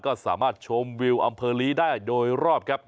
ก็สามารถชมวิวอำเภอลีได้โดยรอบครับ